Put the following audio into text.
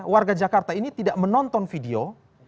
warga jakarta ini tidak menonton video